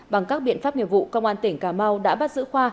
bằng các biện pháp nghiệp vụ công an tỉnh cà mau đã bắt giữ khoa